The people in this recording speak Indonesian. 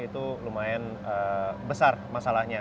itu lumayan besar masalahnya